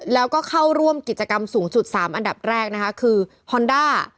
แล้วก็เข้าร่วมกิจกรรมสูงสุด๓อันดับแรกนะคะคือฮอนด้า